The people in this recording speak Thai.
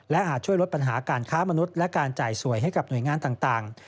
อาจช่วยลดปัญหาการค้ามนุษย์และการจ่ายสวยให้กับหน่วยงานต่าง